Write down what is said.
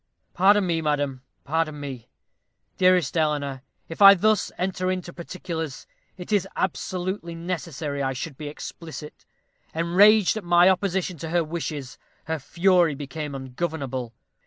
Pardon me, madam, pardon me, dearest Eleanor, if I thus enter into particulars; it is absolutely necessary I should be explicit. Enraged at my opposition to her wishes, her fury became ungovernable.